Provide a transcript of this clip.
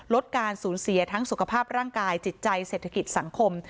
ลดการสูญเสียทั้งสุขภาพร่างกายจิตใจเศรษฐกิจสังคม